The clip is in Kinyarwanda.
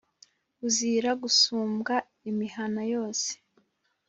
buzira gusumbwa imihana yose